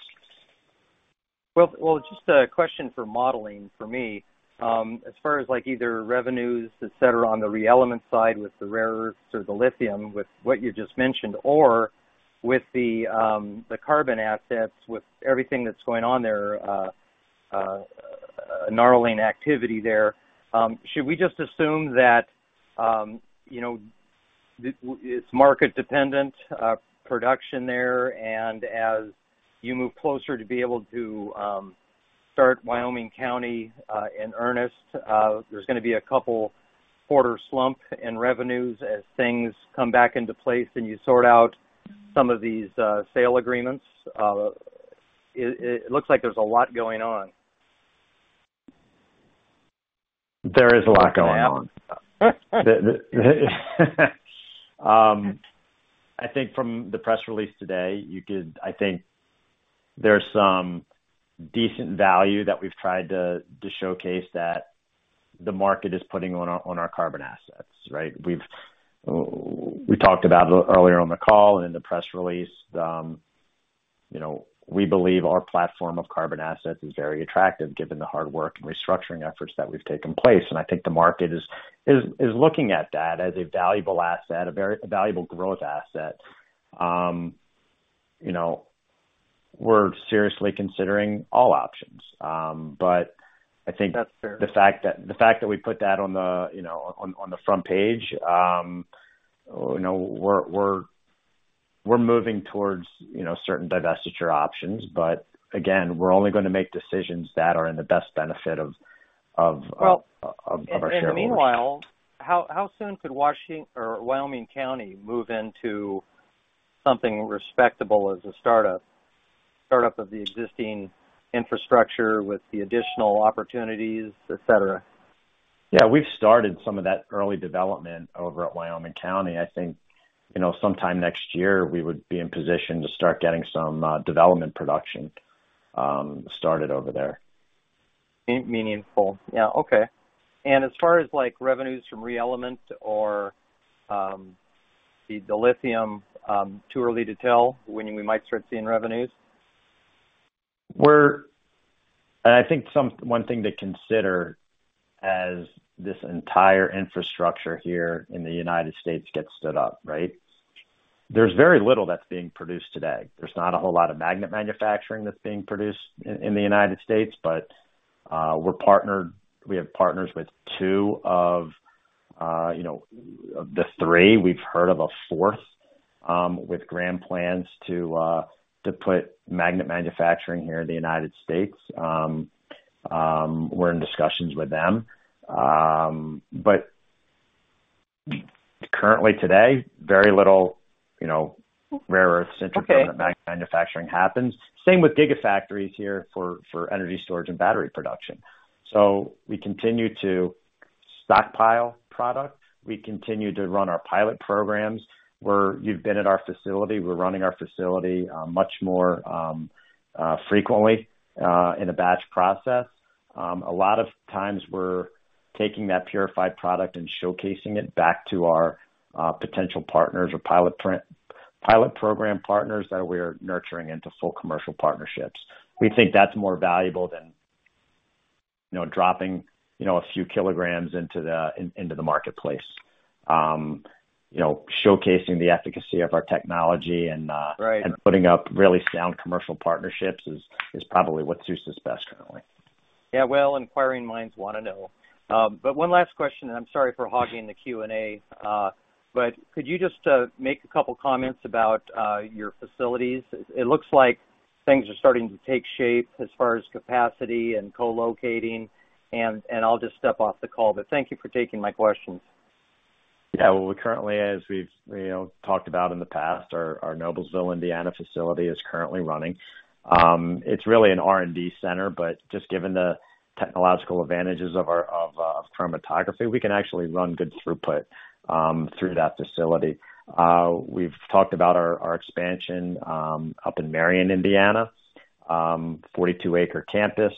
Well, well, just a question for modeling for me. As far as like either revenues, et cetera, on the ReElement side with the rare earths or the lithium, with what you just mentioned, or with the carbon assets, with everything that's going on there, gnarling activity there, should we just assume that, you know, it's market-dependent production there, and as you move closer to be able to start Wyoming County in earnest, there's gonna be a couple quarter slump in revenues as things come back into place and you sort out some of these sale agreements? It, it looks like there's a lot going on. There is a lot going on. I think from the press release today, I think there's some decent value that we've tried to showcase that the market is putting on our carbon assets, right? We've, we talked about earlier on the call and in the press release, you know, we believe our platform of carbon assets is very attractive given the hard work and restructuring efforts that we've taken place. I think the market is looking at that as a valuable asset, a very, a valuable growth asset. You know, we're seriously considering all options. But I think… That's fair. The fact that, the fact that we put that on the, you know, on, on the front page, you know, we're, we're, we're moving towards, you know, certain divestiture options. Again, we're only gonna make decisions that are in the best benefit of, of, of, of our shareholders. Well, in the meanwhile, how, how soon could Wyoming County move into something respectable as a startup, startup of the existing infrastructure with the additional opportunities, et cetera? Yeah, we've started some of that early development over at Wyoming County. I think, you know, sometime next year we would be in position to start getting some development production started over there. Meaningful. Yeah. Okay. As far as, like, revenues from ReElement or the lithium, too early to tell when we might start seeing revenues? I think some, one thing to consider as this entire infrastructure here in the United States gets stood up, right? There's very little that's being produced today. There's not a whole lot of magnet manufacturing that's being produced in, in the United States, but we're partnered. We have partners with two of, you know, the three. We've heard of a fourth, with grand plans to put magnet manufacturing here in the United States. We're in discussions with them. Currently today, very little, you know, rare earth centric- Okay. magnet manufacturing happens. Same with gigafactories here for, for energy storage and battery production. We continue to stockpile product. We continue to run our pilot programs, where you've been at our facility. We're running our facility, much more frequently, in a batch process. A lot of times we're taking that purified product and showcasing it back to our potential partners or pilot program partners that we're nurturing into full commercial partnerships. We think that's more valuable than, you know, dropping, you know, a few kilograms into the, into the marketplace. You know, showcasing the efficacy of our technology and. Right... and putting up really sound commercial partnerships is, is probably what suits us best currently. Yeah, well, inquiring minds want to know. One last question, I'm sorry for hogging the Q&A, could you just make a couple comments about your facilities? It, it looks like things are starting to take shape as far as capacity and co-locating, I'll just step off the call. Thank you for taking my questions. Yeah. Well, we currently, as we've, you know, talked about in the past, our Noblesville, Indiana, facility is currently running. It's really an R&D center, but just given the technological advantages of our chromatography, we can actually run good throughput through that facility. We've talked about our expansion up in Marion, Indiana, 42 acre campus,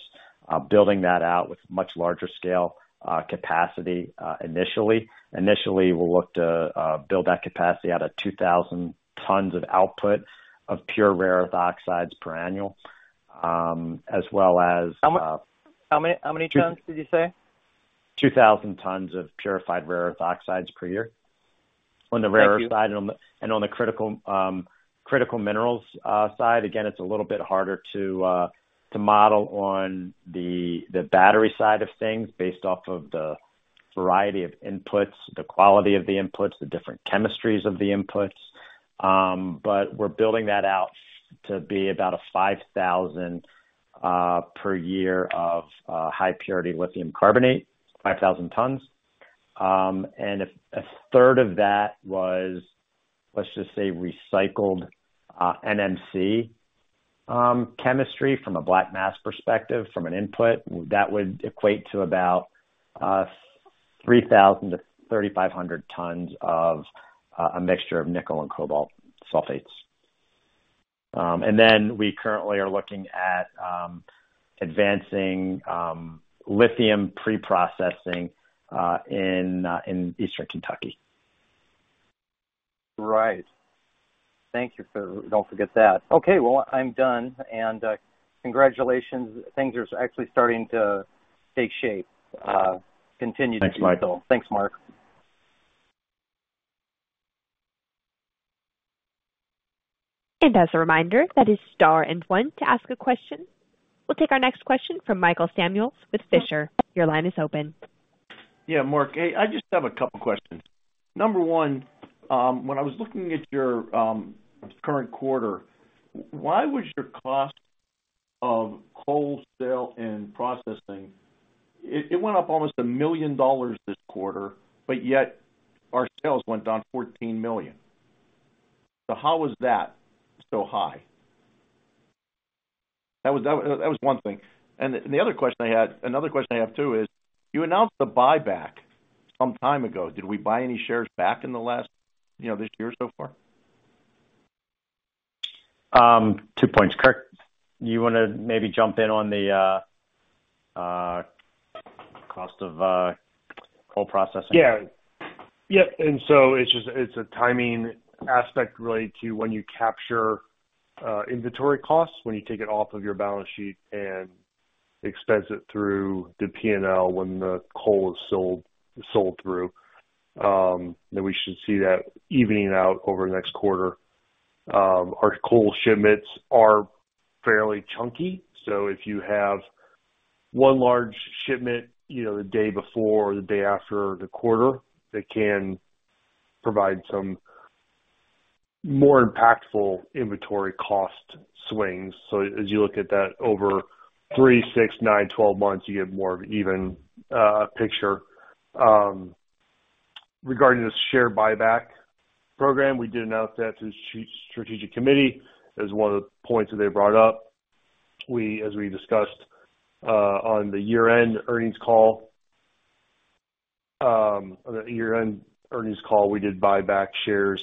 building that out with much larger scale capacity initially. Initially, we'll look to build that capacity out of 2,000 tons of output of pure rare earth oxides per annual as well as. How many, how many tons did you say? 2,000 tons of purified rare earth oxides per year. On the rarer side and on the critical minerals side, again, it's a little bit harder to model on the battery side of things based off of the variety of inputs, the quality of the inputs, the different chemistries of the inputs. We're building that out to be about 5,000 per year of high purity lithium carbonate, 5,000 tons. If a third of that was, let's just say, recycled NMC chemistry from a black mass perspective, from an input, that would equate to about 3,000-3,500 tons of a mixture of nickel and cobalt sulfates. We currently are looking at advancing lithium preprocessing in eastern Kentucky. Right. Thank you for, don't forget that. Okay, well, I'm done, and congratulations. Things are actually starting to take shape. Thanks, Michael. Thanks, Mark. As a reminder, that is star and one to ask a question. We'll take our next question from Michael Samuels with Fisher. Your line is open. Yeah, Mark, I just have a couple questions. Number one, when I was looking at your current quarter, why was your cost of wholesale and processing... it went up almost $1 million this quarter, but yet our sales went down $14 million. How was that so high? That was one thing. The other question I had, another question I have, too, is: you announced the buyback some time ago. Did we buy any shares back in the last, you know, this year so far? Two points. Kirk, you want to maybe jump in on the cost of coal processing? Yeah. Yep, it's just, it's a timing aspect really to when you capture inventory costs, when you take it off of your balance sheet and expense it through the PNL when the coal is sold, sold through. We should see that evening out over the next quarter. Our coal shipments are fairly chunky, so if you have one large shipment, you know, the day before or the day after the quarter, that can provide some more impactful inventory cost swings. As you look at that over three, six, nine, 12 months, you get more of an even picture. Regarding the share buyback program, we did announce that to the Strategic Committee as one of the points that they brought up. We, as we discussed, on the year-end earnings call, on the year-end earnings call, we did buy back shares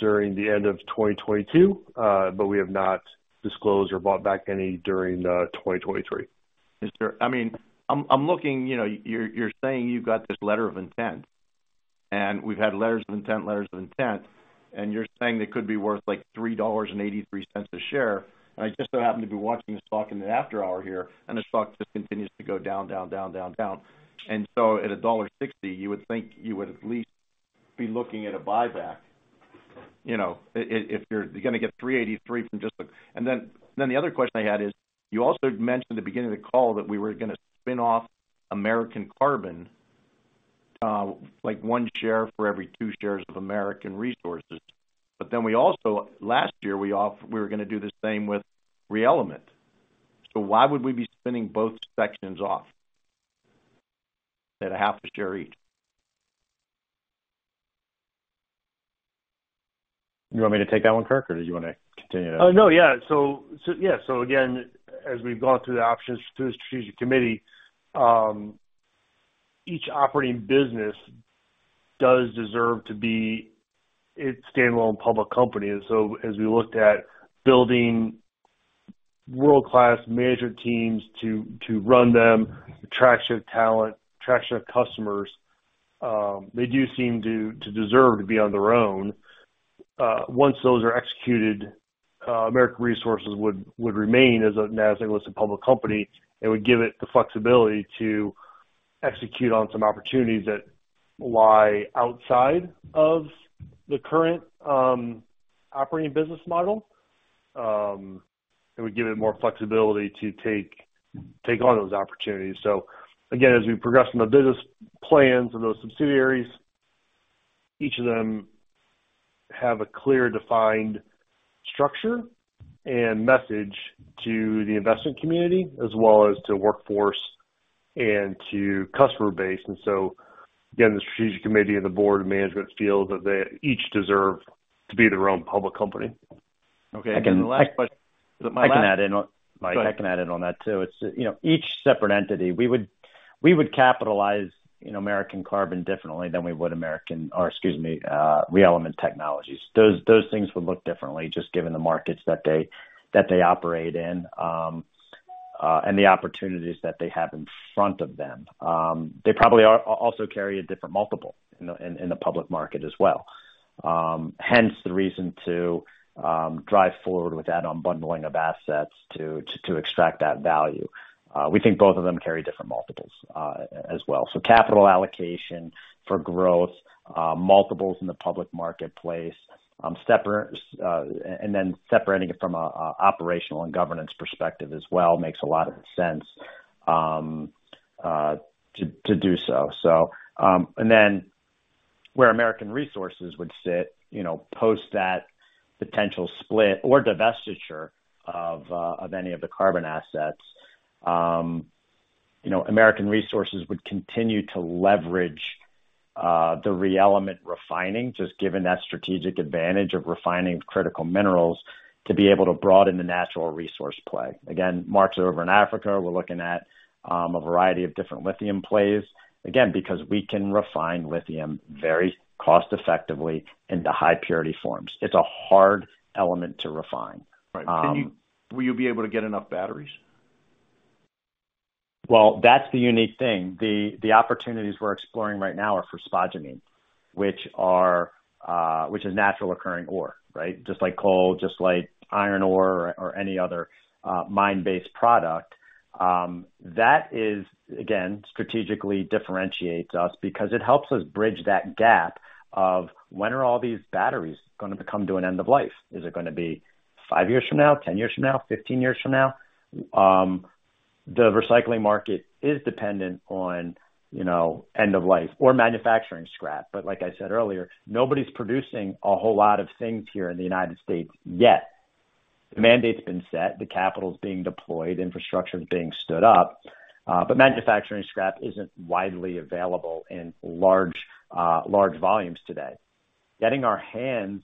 during the end of 2022, but we have not disclosed or bought back any during, 2023. Is there, I mean, I'm looking, you know, you're saying you've got this letter of intent, we've had letters of intent, letters of intent, you're saying they could be worth, like, $3.83 a share. I just so happen to be watching the stock in the after hour here, the stock just continues to go down, down, down, down, down. At $1.60, you would think you would at least be looking at a buyback. You know, if you're gonna get $3.83 from just the. Then the other question I had is, you also mentioned at the beginning of the call that we were gonna spin off American Carbon, like, one share for every two shares of American Resources. We also last year, we were gonna do the same with ReElement. Why would we be spinning both sections off at a 0.5 share each? You want me to take that one, Kirk, or did you want to continue to? No, yeah. So, so yeah. Again, as we've gone through the options through the Strategic Committee, each operating business does deserve to be its standalone public company. As we looked at building world-class management teams to, to run them, attract shared talent, attract shared customers, they do seem to, to deserve to be on their own. Once those are executed, American Resources would, would remain as a NASDAQ listed public company and would give it the flexibility to execute on some opportunities that lie outside of the current operating business model. It would give it more flexibility to take, take on those opportunities. Again, as we progress in the business plans for those subsidiaries, each of them have a clear, defined structure and message to the investment community, as well as to workforce and to customer base. Again, the Strategic Committee and the board of management feel that they each deserve to be their own public company. Okay, the last question- I can add in. Go ahead. I can add in on that, too. It's, you know, each separate entity, we would, we would capitalize, you know, American Carbon differently than we would American... Or excuse me, ReElement Technologies. Those, those things would look differently just given the markets that they, that they operate in. The opportunities that they have in front of them. They probably are, also carry a different multiple in the, in, in the public market as well. Hence, the reason to drive forward with that unbundling of assets to, to, to extract that value. We think both of them carry different multiples as well. Capital allocation for growth, multiples in the public marketplace, separate, and then separating it from a operational and governance perspective as well, makes a lot of sense to, to do so. Where American Resources would sit, you know, post that potential split or divestiture of any of the carbon assets, you know, American Resources would continue to leverage the ReElement refining, just given that strategic advantage of refining critical minerals, to be able to broaden the natural resource play. Again, Mark's over in Africa, we're looking at a variety of different lithium plays. Again, because we can refine lithium very cost effectively into high purity forms. It's a hard element to refine. Right. Will you be able to get enough batteries? Well, that's the unique thing. The opportunities we're exploring right now are for spodumene, which are, which is natural occurring ore, right? Just like coal, just like iron ore or any other, mine-based product. That is, again, strategically differentiates us because it helps us bridge that gap of when are all these batteries gonna come to an end of life? Is it gonna be 5 years from now, 10 years from now, 15 years from now? The recycling market is dependent on, you know, end of life or manufacturing scrap. Like I said earlier, nobody's producing a whole lot of things here in the United States yet. The mandate's been set, the capital's being deployed, infrastructure is being stood up, but manufacturing scrap isn't widely available in large, large volumes today. Getting our hands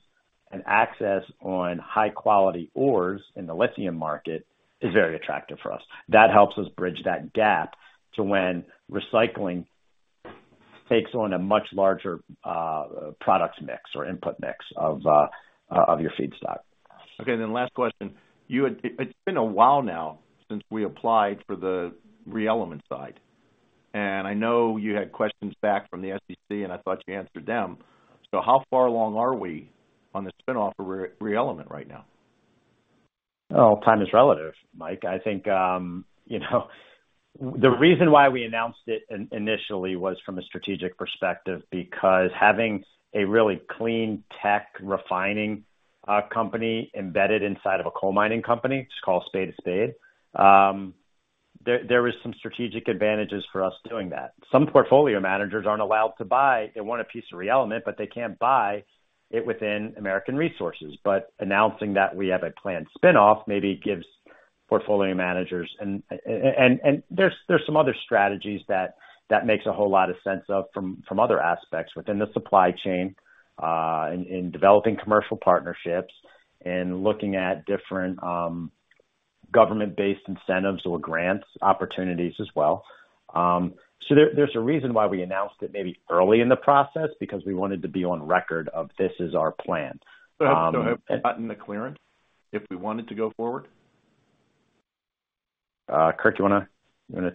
and access on high quality ores in the lithium market is very attractive for us. That helps us bridge that gap to when recycling takes on a much larger, products mix or input mix of, of your feedstock. Last question. It's been a while now since we applied for the ReElement side, and I know you had questions back from the SEC, and I thought you answered them. How far along are we on the spinoff of ReElement right now? Well, time is relative, Mike. I think, you know, the reason why we announced it initially was from a strategic perspective, because having a really clean tech refining company embedded inside of a coal mining company, just call a spade a spade, there is some strategic advantages for us doing that. Some portfolio managers aren't allowed to buy. They want a piece of ReElement, but they can't buy it within American Resources. Announcing that we have a planned spinoff maybe gives portfolio managers. There's some other strategies that makes a whole lot of sense from other aspects within the supply chain in developing commercial partnerships and looking at different government-based incentives or grants opportunities as well. There, there's a reason why we announced it maybe early in the process, because we wanted to be on record of this is our plan. have you gotten the clearance if we wanted to go forward? Kirk, you wanna, you wanna?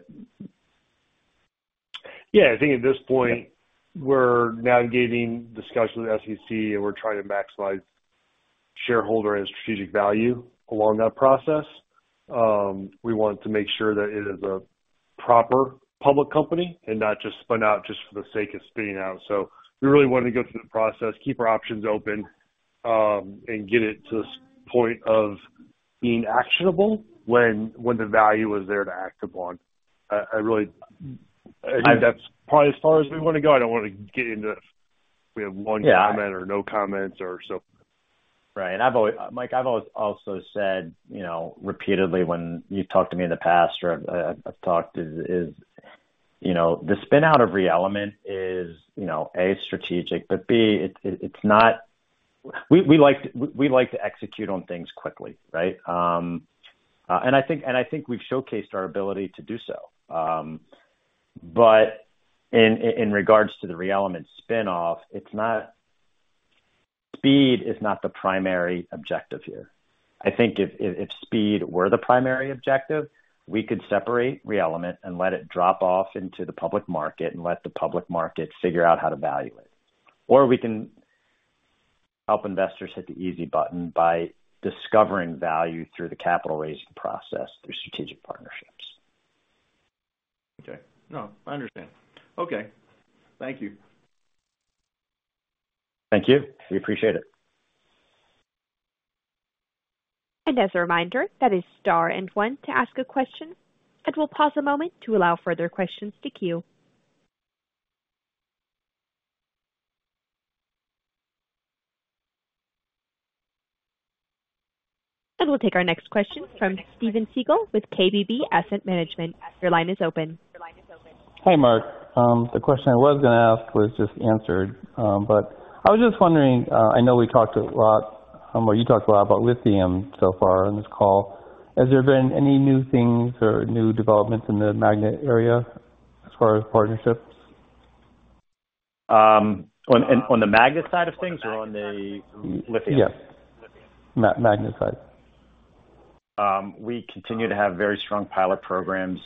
Yeah, I think at this point, we're navigating discussions with SEC, and we're trying to maximize shareholder and strategic value along that process. We want to make sure that it is a proper public company and not just spun out just for the sake of spinning out. We really want to go through the process, keep our options open, and get it to the point of being actionable when, when the value is there to act upon. I think that's probably as far as we want to go. I don't want to get into if we have one comment- Yeah. no comments or so. Right. Mike, I've always also said, you know, repeatedly when you've talked to me in the past or I've talked is, you know, the spin out of ReElement is, you know, A, strategic, but B, it's not. We like to execute on things quickly, right? I think we've showcased our ability to do so. In regards to the ReElement spinoff, it's not. Speed is not the primary objective here. I think if speed were the primary objective, we could separate ReElement and let it drop off into the public market and let the public market figure out how to value it. We can help investors hit the easy button by discovering value through the capital raising process, through strategic partnerships. Okay. No, I understand. Okay. Thank you. Thank you. We appreciate it. As a reminder, that is star one to ask a question, and we'll pause a moment to allow further questions to queue. And we'll take our next question from Steven Segal with KBB Asset Management. Your line is open. Hey, Mark. The question I was gonna ask was just answered. I was just wondering, I know we talked a lot, or you talked a lot about lithium so far on this call. Has there been any new things or new developments in the magnet area as far as partnerships? On the magnet side of things or on the lithium? Yes. Mag-magnet side. We continue to have very strong pilot programs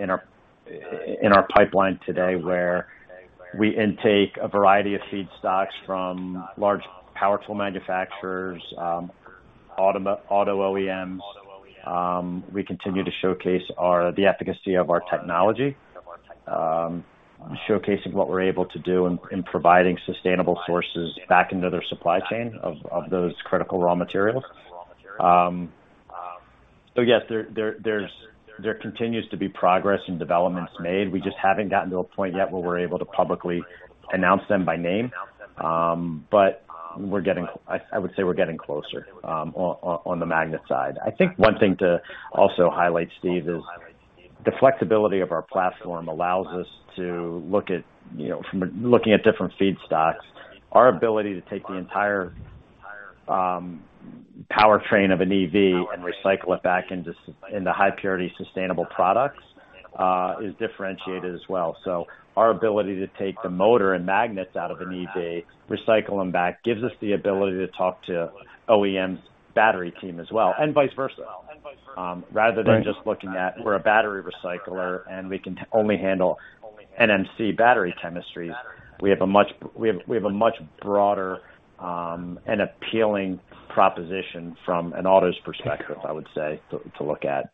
in our pipeline today, where we intake a variety of feedstocks from large powerful manufacturers, auto OEMs. We continue to showcase our, the efficacy of our technology, showcasing what we're able to do in providing sustainable sources back into their supply chain of those critical raw materials. Yes, there, there, there's, there continues to be progress and developments made. We just haven't gotten to a point yet where we're able to publicly announce them by name. I, I would say we're getting closer on, on, on the magnet side. I think one thing to also highlight, Steve, is the flexibility of our platform allows us to look at, you know, from looking at different feedstocks, our ability to take the entire powertrain of an EV and recycle it back into into high purity, sustainable products, is differentiated as well. Our ability to take the motor and magnets out of an EV, recycle them back, gives us the ability to talk to OEM's battery team as well, and vice versa. Right. Rather than just looking at we're a battery recycler, and we can only handle NMC battery chemistries. We have a much broader, and appealing proposition from an auto's perspective, I would say, to look at.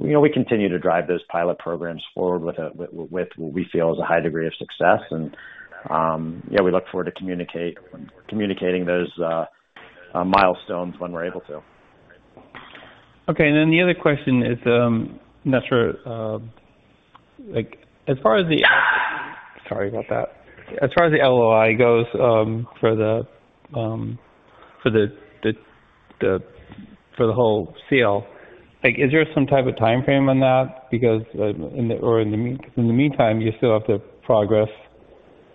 You know, we continue to drive those pilot programs forward with what we feel is a high degree of success. Yeah, we look forward to communicating those milestones when we're able to. Okay, and then the other question is, not sure, like as far as the... Sorry about that. As far as the LOI goes, for the, the, the, for the whole sale, like, is there some type of timeframe on that? Because, in the meantime, you still have to progress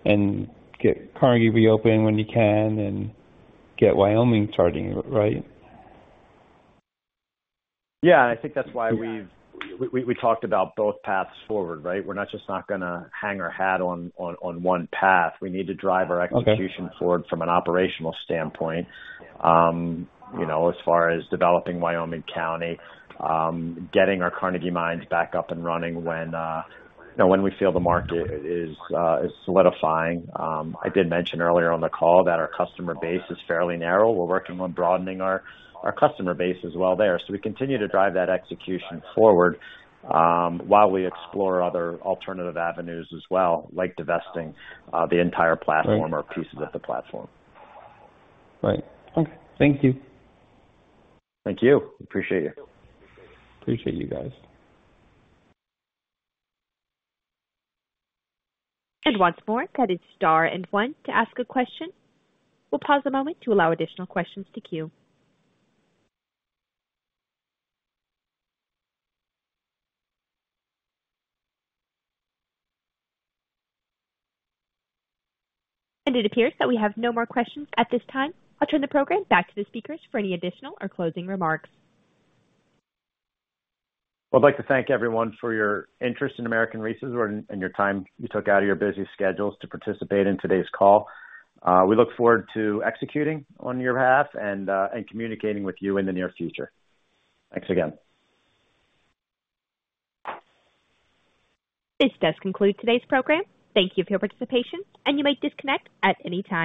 and get Carnegie reopened when you can and get Wyoming charging, right? Yeah, I think that's why we talked about both paths forward, right? We're not just not gonna hang our hat on, on, on one path. Okay. We need to drive our execution forward from an operational standpoint, you know, as far as developing Wyoming County, getting our Carnegie mines back up and running when, you know, when we feel the market is solidifying. I did mention earlier on the call that our customer base is fairly narrow. We're working on broadening our customer base as well there. We continue to drive that execution forward while we explore other alternative avenues as well, like divesting the entire platform. Right. or pieces of the platform. Right. Okay. Thank you. Thank you. Appreciate you. Appreciate you guys. Once more, that is star and one to ask a question. We'll pause a moment to allow additional questions to queue. It appears that we have no more questions at this time. I'll turn the program back to the speakers for any additional or closing remarks. I'd like to thank everyone for your interest in American Resources and, and your time you took out of your busy schedules to participate in today's call. We look forward to executing on your behalf and, and communicating with you in the near future. Thanks again. This does conclude today's program. Thank you for your participation, and you may disconnect at any time.